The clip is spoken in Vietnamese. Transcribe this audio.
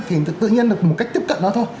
thì tự nhiên được một cách tiếp cận đó thôi